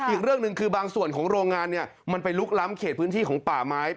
อีกเรื่องหนึ่งคือบางส่วนของโรงงานเนี่ยมันไปลุกล้ำเขตพื้นที่ของป่าไม้